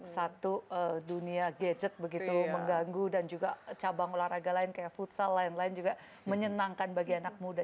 satu dunia gadget begitu mengganggu dan juga cabang olahraga lain kayak futsal lain lain juga menyenangkan bagi anak muda